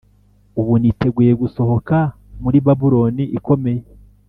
Ubu niteguye gusohoka muri Babuloni Ikomeye